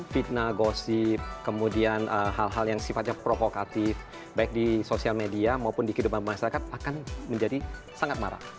fitnah gosip kemudian hal hal yang sifatnya provokatif baik di sosial media maupun di kehidupan masyarakat akan menjadi sangat marah